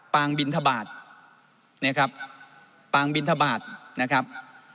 งบินทบาทนะครับปางบินทบาทนะครับ